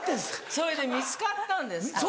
それで見つかったんですか？